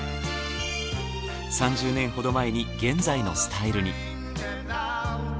３０年ほど前に現在のスタイルに。